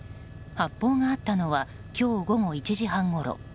発砲があったのは今日午後１時半ごろ。